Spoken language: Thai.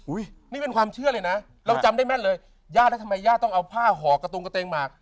นี่เป็นความเชื่อเลยนะเราจำได้แม่นเลยย่าแล้วทำไมย่าต้องเอาผ้าห่อกระตุงกระเตงหมาก